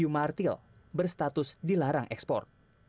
hiu koboi dan tiga jenis hiu martil berstatus dilarang ekspor